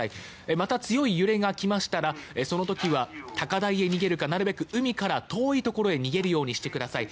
また、強い揺れが来ましたらその時は高台へ逃げるかなるべく海から遠いところに逃げるようにしてください。